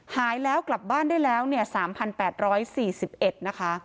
หายแล้วกลับบ้านได้แล้ว๓๘๔๑นะคะ